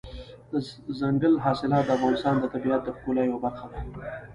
دځنګل حاصلات د افغانستان د طبیعت د ښکلا یوه برخه ده.